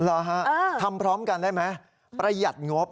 เหรอฮะทำพร้อมกันได้ไหมประหยัดงบ